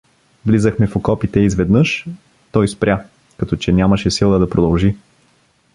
Влизахме в окопите и изведнъж… Той спря, като че нямаше сила да продължи.